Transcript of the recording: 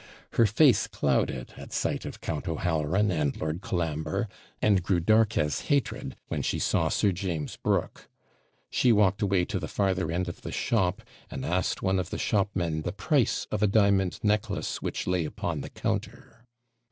Her face clouded at sight of Count O'Halloran and Lord Colambre, and grew dark as hatred when she saw Sir James Brooke. She walked away to the farther end of the shop, and asked one of the shopmen the price of a diamond necklace which lay upon the counter.